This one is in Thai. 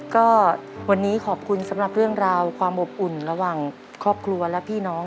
ก็วันนี้ขอบคุณสำหรับเรื่องราวความอบอุ่นระหว่างครอบครัวและพี่น้อง